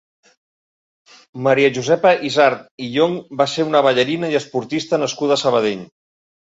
Maria Josepa Izard i Llonch va ser una ballarina i esportista nascuda a Sabadell.